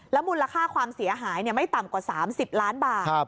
มูลค่าความเสียหายไม่ต่ำกว่า๓๐ล้านบาท